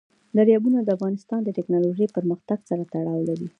دریابونه د افغانستان د تکنالوژۍ پرمختګ سره تړاو لري.